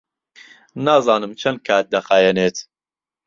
نازانم چەند کات دەخایەنێت.